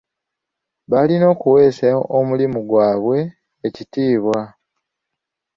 Balina okuweesa omulimu gwabwe ekitiibwa.